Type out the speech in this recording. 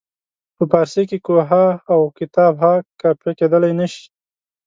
په فارسي کې کوه ها او کتاب ها قافیه کیدلای نه شي.